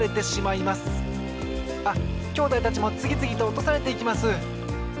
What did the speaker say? あっきょうだいたちもつぎつぎとおとされていきます！